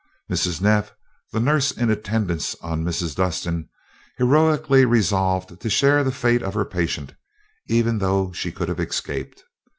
Mrs. Neff, the nurse in attendance on Mrs. Dustin, heroically resolved to share the fate of her patient, even when she could have escaped.